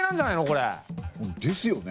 これ。ですよね。